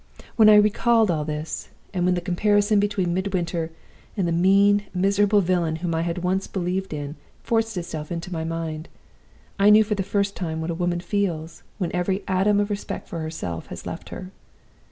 When I recalled all this, and when the comparison between Midwinter and the mean, miserable villain whom I had once believed in forced itself into my mind, I knew for the first time what a woman feels when every atom of respect for herself has left her.